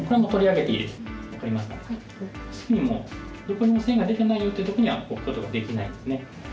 どこにも線が出てないよっていう時には置くことができないんですね。